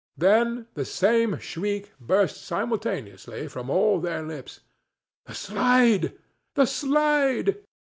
Then the same shriek burst simultaneously from all their lips: "The slide! The slide!"